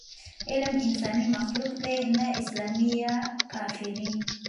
علم انساني مخلوق دی، نه اسلامي یا کافري.